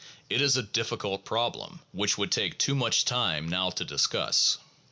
It is a difficult problem which would take too much time now to discuss.